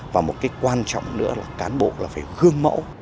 và một cái quan trọng nữa là cán bộ là phải gương mẫu